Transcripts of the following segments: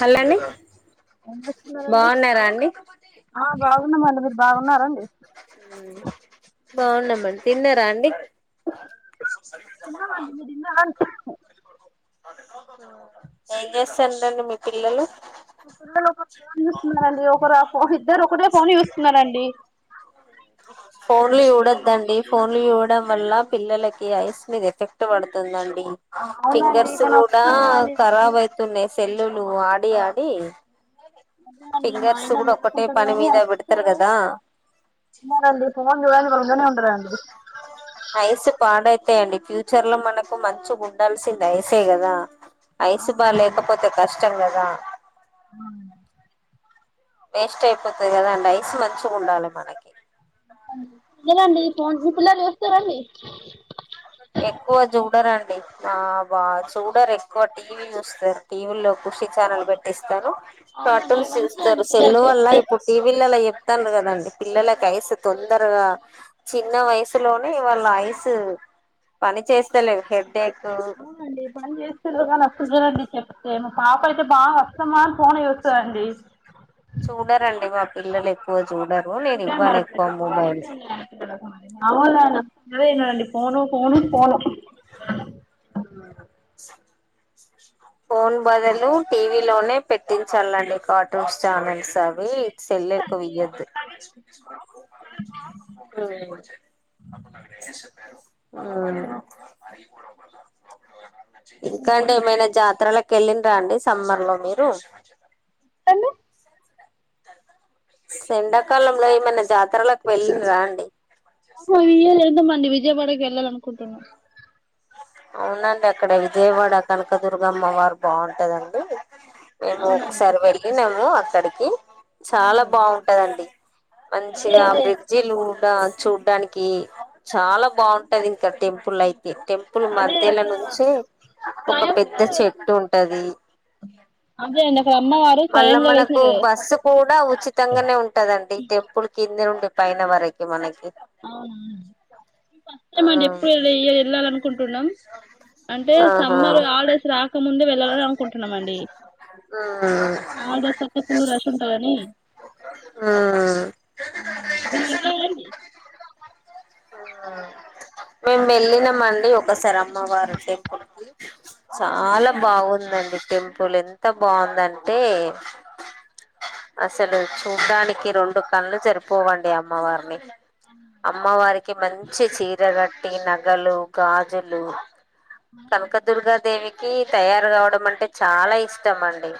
hello అండి ఏం చేస్తున్నారండి బాగున్నారా అండి ఆ బాగున్నామండి మీరు బాగున్నరండి హ్మ్ బాగున్నామండి తిన్నారా అండి తిన్నారండి ఏం చేస్తానండి మీ పిల్లలు మా పిల్లలు ఫోన్ చూస్తున్నానండి ఒకరు ఫో ఇద్దరు ఒకటే ఫోన్ చూస్తున్నానండి ఫోన్లు చూడద్దండి ఫోన్లు చూడడం వల్ల పిల్లలకి ఐస్ మీద ఎఫెక్ట్ పడుత తుదండి అవునండి ఫింగర్స్ కానీ కూడా వస్తున్నాయండి ఖరాబ్ అయితున్నాయి తెల్లులు ఆడి ఆడి అండి మా ఫింగర్స్ ఆయన కూడా ఒక్కటే మొత్తుకుంటాడు పని కానీ మీద పెడుతారు అస్సలు కదా ఉన్నారండి ఫోన్ చూడడానికి దూరంగానే ఉంటారండి ఐస్ పాడై అంతే అండి ఫ్యూచర్ లో మనకు మంచిగా ఉండాల్సింది ఐస్ కదా ఐసు బా లేకపోతే కష్టం కదా అ వేస్ట్ అయిపోతది కదా అండ్ ఐస్ మంచిగా ఉండాలి మనకి లేదండి ఫోన్ మీ పిల్లలు చస్తారండి ఎక్కువ చూడరండి ఆ బా చూడరు ఎక్కువ టీవీ చూస్తారు టీవీ లో కూ ఖుషి ఛానల్ పెట్టిస్తాను అవునండి కార్టూన్స్ మంచిగా అండి చస్తారు పిల్లలు సెల్ వల్ల చూస్తే ఇప్పుడు టీవీలలో అయితండ్రు కదండి పిల్లలకి ఐస్ తొందరగా చిన్న వయసులోనే వాళ్ళ ఐస్ పని చేస్తలే హెడ్ అవునండి పని చేస్తారు కానీ అసల్కి వినరు చెప్తే మా పాప అయితే బాగా అస్తమాన్ ఫోన్నే చూస్ సండి చూడరండి మా పిల్లలు ఎక్ [unintelligible] అవును నాన్న అదే ఇనడండి ఫోను ఫోను ఫోను సా స ఫోన్ బదలు టీవీ లోనే పెట్టించాలండి కార్టన్స్ ఛానల్స్ తవి సెల్ ఎక్కువ ఇయ్యదు ఆ ఆ ఇంకా అంటే ఏమైనా జాతర లేక్ కెళ్ళిన రండి సమ్మర్ లో మీరు సెండాకాలంలో ఏమన్నా జాత్ హోయో లేదమండి విజయవాడకి వెళ్ళాలి అనుకుంటున్నా అవునండి అక్కడ విజయవాడ కనకదుర్గమ్మవారు బావుంటదండి మేము అవునండి ఒకసారి వెళ్ళి మీము అక్కడికి చాలా అవునండి బావుంటదండి అదే మంచిగా అదే బ్రిడ్జిలు దా చూడ్డానికి చాలా బావుంటంది ఇంకా టెంపుల్ అయితే టెంప్ ప్పుల్ అదే మధ్యల అక్కడ నుంచే ఒక స్వయంభూ పెద్ద వెలిసింది చెట్టుంటది అదే అండి అక్కడ అమ్మవారు మళ్ళా స్వయంగా వెలిసిన మనకు బస్సు కూడా ఉచితంగానే ఉంట్టదండి టెంపు ప్పుడు కింది నుండి పైన వరకి మనకి అవున ఫస్ట్ టైం ఆ అని ఎప్పుడు యి ఎ ఎల్లలను కుంటున్నాం అంటే ఆహా సమ్మర్ హాలిడేస్ రాకముం ఎల్లలనుకూంటున్నమండి ఉమ్ హల్డ్స్ ఓతె ఫుల్ రష్ ఉంటదని ఉమ్ అవునండి ఆ మీము వెళ్ళినామండి ఒకసారి అమ్మవారు టెంపుల్కి అదే అండి వెళ్ళాలి ఉందండి టెంపుల్ ఎంత బావుందంటే అసలు చూడ్డానికి రెండు కండ్లు సరిపోవండి అమ్మవారిని అమ్మవారికి మంచి చీర కట్టి నగలు గాజులు కనకదుర్గా దేవికి తయారు కావడమంటే చాలా ఇష్టమండి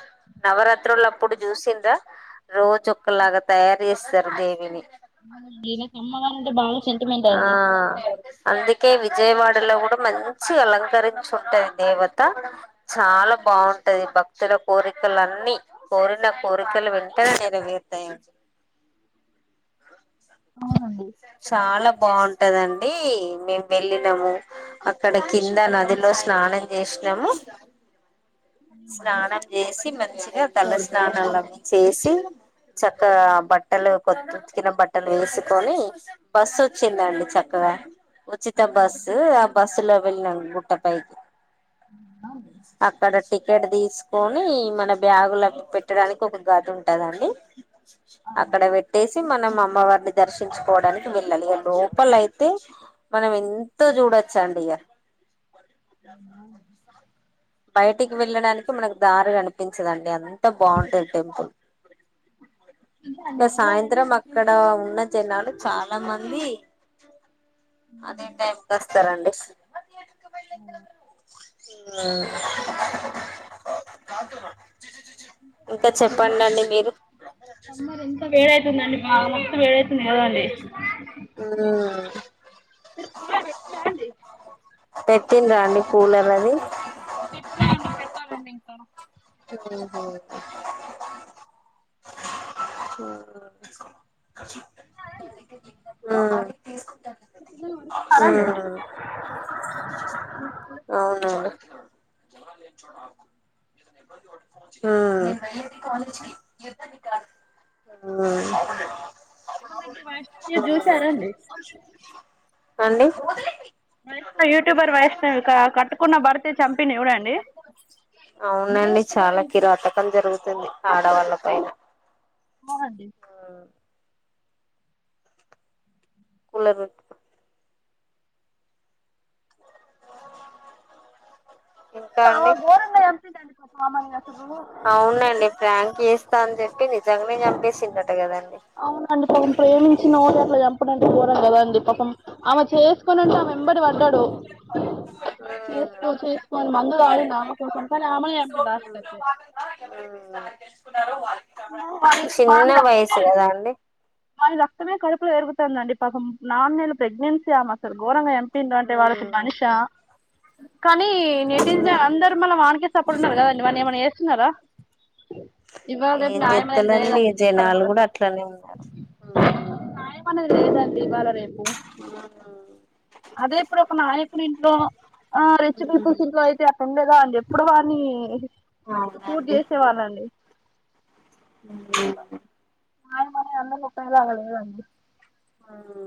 నవరాత్రులు అప్పుడు చూసిండ్రా రోజొక్కలాగా తయారు చేస్తారు దేవిని నాకు అమ్మవారంటే బాగా సెంటిమెంట్ ఆ అండి అందిక్ కే విజయవాడలో కూడా మంచిగా అలకరిచ్చుంటంది దేవత చాలా బావుంటది బాక్ త్తుల కోరికలన్ని కోరిన కోరికలు వెంటనే నెరవేర్తాయ అవునండి చాలా బావున్ టదండి మేము వెళ్ళినాము అక్కడ కింద నదిలో స్నానం చేసినము స్నానం చేసి మంచిగా తల స్నానాలని చేసి చక్కగా బట్టలు కొత్త ఉంతికిన బట్టలు వేస్ కొని బస్సోచ్చిందండి చక్కగా ఉచిత బస్సు ఆ బస్సు లో వెళ్ళినాము గుట్ట పైకి అక్కడ టికెట్ తీసుకొని మన బ్యాగ్లా పెట్టడానికి ఒక గది ఉంటదండి అక్కడ పెట్టేసి మనం అమ్మవారిని దర్శించుకోవడానికి వెళ్ళాలి లోపలైతే మ మనం ఎంతో చూడొచండి ఇగ బయటికి వెళ్ళడానికి మనకు దారి అనిపించదండి అంత బాగుంటది టెంపుల్ ఇగ సాయంత్రం వెళ్ళాలని అక్కడ ఉన్న జన్నాలు చాలా మంది అదే టైంకోస్తారండి అ మ్ ఆ [inaudible] సమ్మర్ ఎంత వేడై సుందండి బా మస్త వేడైతుంది కదండీ హుమ్ మీర్ కూలర్ పెట్ కున్న అండి పెట్టిండ్రా అండి కూలర్ అది పెట్టలే అండి పెట్టాలండి ఇంకా మ్ హు మీ పిల్లలు పడుకున్నారా అండి ఉమ్ అవునండి కాలజ్కి ఇ మొన్న గి వైష్ణవి న్యూస్ ఉమ్ చూసారండీ అండి వైష్ణవి యూట్యూబర్ వైష్ణవి ఇక కట్టుకున్న భర్త చంపిడు చూడండి అవునండి చాలా కిరాఅటకం జరుగుతుంది ఆడవాళ్ళ పైన అవునండి అ కూలర్ పెట్టుకో ఇంకా ఆమె అండి ఘోరంగా చంపిందండి పాపం ఆమెని అసలు అవునండి ఫ్రాంక్ చేస్తా అని చెప్పి నిజంగానే చంపేసిండట కదండి అవునండి పాపం ప్రేమించినోన్ని అట్లా చంపుడు అంటే గోరంకదండి పాపం ఆమె చేసుకుని అంటే ఆమె వెంబడి పడ్డాడు చేసుకో ఆ చేసుకో అని మందు తాగిండు ఆమె కోసం కానీ లాస్ట్ కత్తి ఆమని చంపిండు వాడి చిన్న వయసు కదా అండి వాడి రక్తమే కడుపులు పెరుగుతుందండి నాలుగు నెలల ప్రెగ్నెన్సీ ఆమె అసలు ఘోరంగా ఎంపీడు అంటే వాడు అసలు ఉమ్ మనిషా కానీ నేటిజన్ ఉమ్ అందరు మల్ల వానికి సపోడు ఉన్నారు కదండి వానీ ఏమైన్నా చేస్తున్నారా ఇవాళ రేపు ఏం న్యాయం అనేది చెతాలండి లేదండి ఎక్కడ జనాలు కూడా అట్లనే ఉన్నారు మంచిదని లేదంటే ఇవాళ రేపు ఆ హ అదే ఇప్పుడు ఒక నాయకునింట్లో ఆ రిచ్ ఉమ్ పీపుల్స్ ఇంట్లో అయితే అట్లా ఉంటదండి ఎప్పుడో వాని షూట్ అవునండి చేసేవాళ్ళండి ఉ అవునండి అందరికీ ఒకేలాగా ఉంటదండి ఉ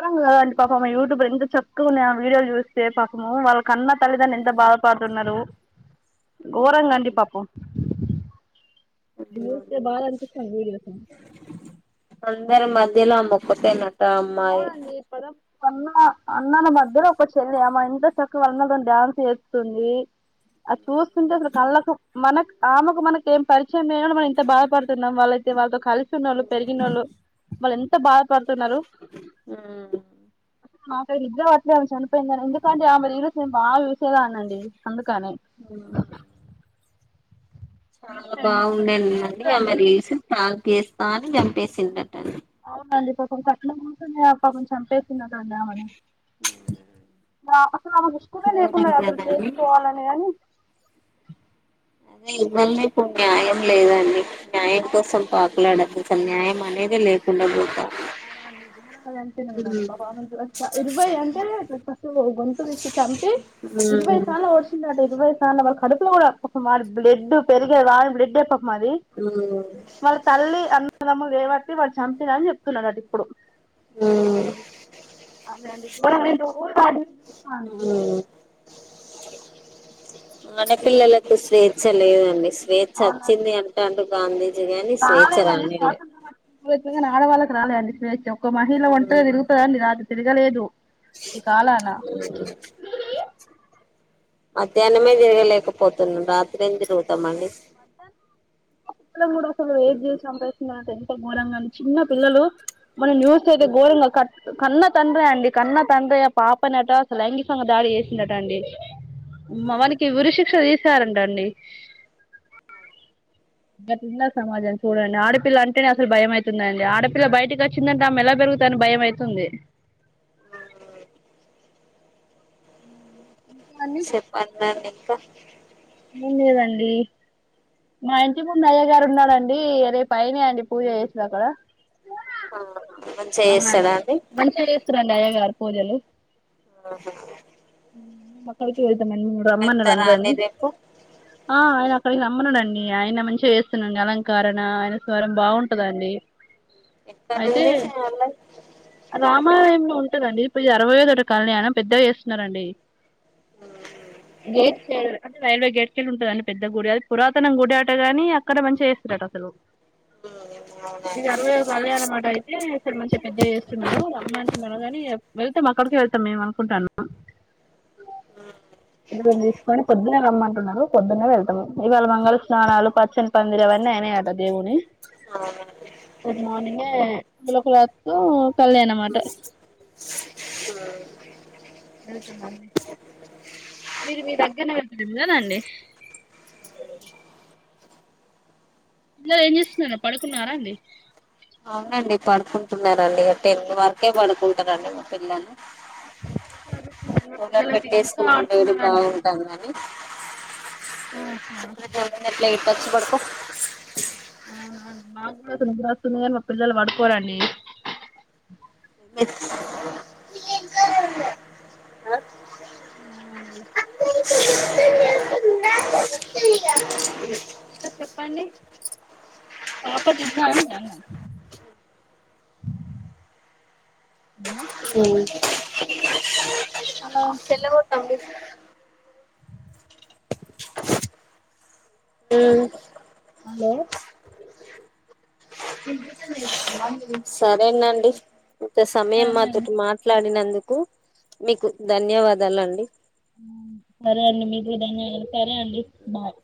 కద అండి పాపం యూట్యూబ్ లో ఇంత చక్కగా ఆమె వీడియోలు చూస్తే పాపము వాళ్ళకి కన్నా తల్లిదండ్రులు ఎంత బాధపడుతున్నారు గోరంగా అండి పాపం చూస్తే బాధ అనిపిస్తుంది వీడియోస్ అందరి మధ్యలో ఆమె ఒక్కతేనట అమ్మాయి అవునండి పద అన్న అన్నన మధ్యలో ఒక చెల్లి ఆమే ఎంత చక్కగా అన్నదమ్ముల మధ్య డ్యాన్స్ అది చూస్తుంటే అసలు కళ్ళకు మనకు ఆమెకు మనకు ఏం పరిచయం పరిచయం లేని మనం బాధపడుతున్నాం వాళ్ళతే వాళ్ళతో కలిసి ఉన్నళ్ళు పెరిగినోళ్ళు ఎంత బాధపడుతుంటారు బాధపడుతున్నారు ఉ మాకైతే నిద్ర పట్టట్లేదు చనిపోయిందని ఎందుకంటే ఆమె వీడియోస్ బాగా చూసేద అండి అందుకు ఉ చాలా బాగుందఅండి ఆమె మాజాక్ చేస్తా అని చంపేసిందడి అవునండి పాపం కట్నం కోసమే ఆమెను చంపేశారండి ఆమేను అసలు ఆమె ఇష్టమే ఘోరం లేకుండే కదండి చేసుకోవాలని కాని అదే ఇవాళ రేపు న్యాయం లేదండి న్యాయం కోసం పాకులాడదు అసలు న్యాయం అనేది లేకుండా పోతుంది అవునా ఘోరంగా చంపి ఇరవై అంటే ఇట్ల గోరంగా చంపి ఇరవై సార్లు పొడొచ్చిందంట ఇరవై సార్లు వాళ్ళ కడుపులో కూడా ఒ బ్లడ్ పెరిగే వాడి బ్లడ్ ఎ మది ఉమ్ వాళ్ళ తల్లి అన్నదమ్ము లేవాట్టి వాళ్లు చంపినని చెప్త వస్తున్నదట ఇప్పుడు ఉ అదేండి నువ్వు సాధిస్తున్నావా ఆడపిల్లలకు స్వేచ్ఛ లేదండి స్వేచ్ఛ అవునండి వచ్చింది అంట అంటూ గాంధీ కానీ ఆడవాళ్ళకి రాలేదండి స్వేచ ఒక మహిళ ఒంటగా తిరుగుతదండి రాత్రి తిరగలేదు ఈ కాలనా మధ్యాహ్నమే తిరగలేకపోతున్నం రాత్రి ఏం తిరుగుతు అవునండి ఈ మద్య ఇం పల కూడా అసలు వేట్ చేసి చంపేస్తున్నారంటే ఘోంగా చిన్న పిల్లలు మొన్న న్యూస్ అయితే ఘోరంగా కట్ కన్నా తండ్రే అండి కన్నా తండ్రే ఆ పాపనట అసలు లైంగికంగా దాడి చేసినట అండి మవనకి ఉరిశిక్ష తీసారంట అండి గ ఉంద సమాజం చూడండి ఆడపిల్ల అంటేనే అసలు భయం అయితుందండి ఆడపిల్ల బయటి కోచ్చిందంటే ఆమె ఎలా పెరు తని భయం అయితుంది కానీ చెప్పండి పనాన్ని ఇంకా ఏం లేవండి మా ఇంటి ముందు అయ్య గారు ఉన్నాడండి రేపు అయినే అండి పూజ చేసేదక్కడ ఆ మంచిగా చేస్తాడా అవునండి అండి మంచిగా చేస్తారండి అయ్యా గారు పూజలు ఆహా మేమక్కడికి వెళ్తాం మేము అండి రమ్మనరందరిని రేపు ఆ ఆయన అక్కడికి రమ్మన్నాడండి ఆయన మంచిగా చేస్తున్నాండి అలంకారణ ఆయన స్వరం బాగుంటదండి అయితే ఎక్కడుంది అలా రామాలయంలో ఉంటందండి ఈ అరవై దట కాలనీ అయినా పెద్దగా చేస్తున్నారండి అంటే రైల్వే గేట్కెళ్ళలి ఉంటా అని పెద్ద గుడి అది పురాతన గుడి ఆటగాని అక్కడ మంచిగా చేస్తారట అసలు ఆ ఇ అరవై కళ్యాణ మట అయితే అసలు మంచిగా పెద్దవి చేస్తున్నాడు అమ్మ అంటున్నారు కాగానీ వెళ్తే క్కడిక వెళ్తాం మేం అనుకుంటానాం రమ్మంటున్నారు పొద్దున్న వెళ్తాము మేం ఇవాళ మంగళ స్నాలు పచ్చని పందిరి అవన్నీ అయనాయట దేవుని అవునండి రేపు మార్నింగ్ ఏ మ్ కళ్యాణ మట ఎల్తునం నీ మీరు మీ దగ్గర వెళ్తలేం కదండి ఇంట్లో ఏం చేస్తున్నారు పడుకున్నారా అండి అవునండి పడుకుంటున్నారండి ఇక టెన్ వరకే పడుకుంటారండి మా పిల్లలు మా కూగ పిల్లలైతే ఇంకా పెట్టేసుకున్నాం రోజు ఆడుతున్నారండి బాగుంటాంది కాని ఆహా స్వప్న జమని ఎట్లా ఇట్టచ్చి పడకో అవువు నా మాత్రం నిదర వస్తుంది కాని మా పిల్లలు పడుకోరండి తెలుస్ ఆ ఆ అది ఇంకా చెప్పండి పాపా తింద అండి అన్నం మ్ హలో మ్ హలో సరేనండి ఇంత సమయం సరే మాతోటి మాట్లాడినందు కు మీకు ధన్యవాదాల అండి మ్ సరే అండి మీకు కూడా ధన్యవాద సరే అండి బాయ్